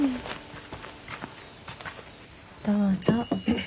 どうぞ。